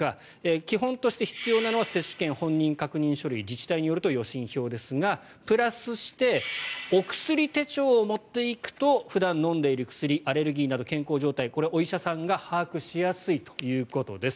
基本として必要なのは接種券本人確認書類自治体によると予診票ですがプラスしてお薬手帳を持っていくと普段飲んでいる薬アレルギーなど健康状態お医者さんが把握しやすいということです。